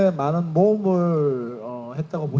saya sudah banyak berusaha untuk mencoba